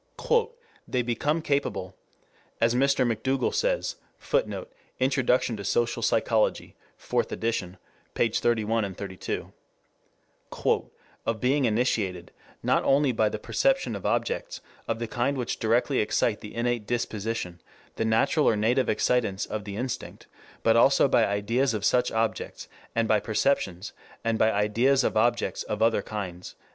"They become capable," as Mr. McDougall says, [Footnote: Introduction to Social Psychology, Fourth Edition, pp. 31 32.] "of being initiated, not only by the perception of objects of the kind which directly excite the innate disposition, the natural or native excitants of the instinct, but also by ideas of such objects, and by perceptions and by ideas of objects of other kinds."